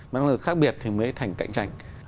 năng lực khác biệt thì mới thành cạnh tranh